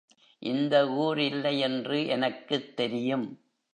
இந்த ஊர் இல்லை என்று எனக்குத் தெரியும்.